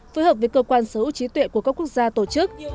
phối hợp với cơ quan sở hữu trí tuệ của các quốc gia tổ chức